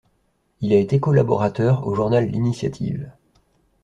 Il a été collaborateur au journal L'initiative.